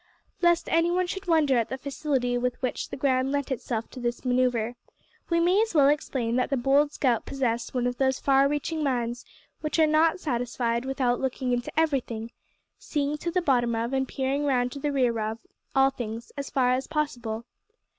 Lest any one should wonder at the facility with which the ground lent itself to this manoeuvre, we may as well explain that the bold scout possessed one of those far reaching minds which are not satisfied without looking into everything, seeing to the bottom of, and peering round to the rear of, all things, as far as possible.